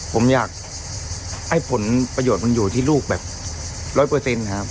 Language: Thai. ผมอยากให้ผลประโยชน์มันอยู่ที่ลูกแบบร้อยเปอร์เซ็นต์ครับ